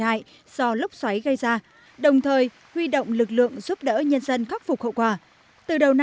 hại do lốc xoáy gây ra đồng thời huy động lực lượng giúp đỡ nhân dân khắc phục hậu quả từ đầu